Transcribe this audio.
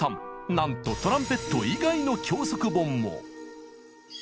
なんとトランペット以外の教則本も！